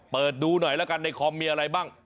เปิดดูหน่อยแล้วกันในคอมมีอะไรบ้าง